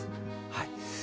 はい。